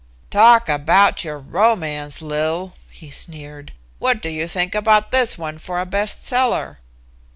"Talk about your romance, Lil," he sneered, "what do you think about this one for a best seller?"